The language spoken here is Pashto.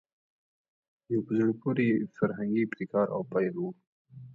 یو په زړه پورې فرهنګي ابتکار او پیل وو